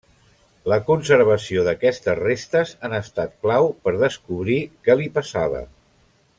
La conservació d'aquestes restes han estat clau per descobrir què li passava.